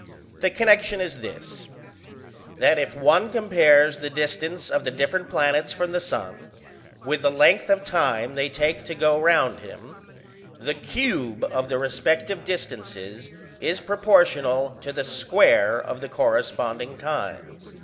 The connection is this, that if one compares the distance of the different planets from the sun with the length of time they take to go round him, the cube of the respective distances is proportional to the square of the corresponding times.